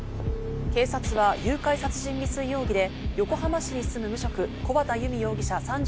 警察は誘拐・殺人未遂容疑で横浜市に住む無職木幡由実容疑者